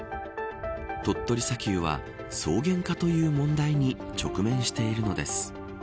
鳥取砂丘は草原化という問題に直面しているのです。